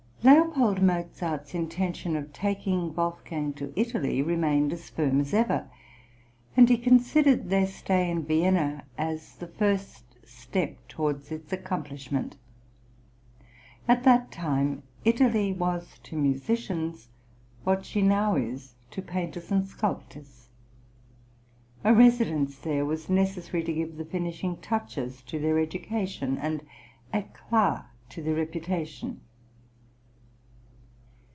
L. Mozart's intention of taking Wolfgang to Italy remained firm as ever, and he considered their stay in Vienna as the first step towards its accomplishment. At that time, Italy was to musicians what she now is to painters and sculptors; a residence there was necessary to give the finishing touches to their education, and éclat to their reputation.